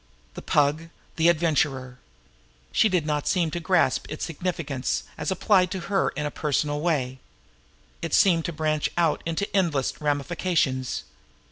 The Pug the Adventurer! She did not quite seem to grasp its significance as applied to her in a personal way. It seemed to branch out into endless ramifications.